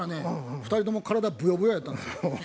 ２人とも体ブヨブヨやったんですよ。